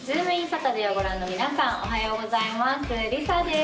サタデーをご覧の皆さん、おはようございます。